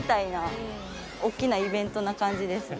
おっきなイベントな感じですね。